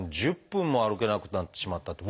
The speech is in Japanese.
１０分も歩けなくなってしまったって。